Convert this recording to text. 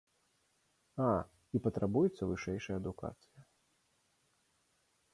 А, і патрабуецца вышэйшая адукацыя.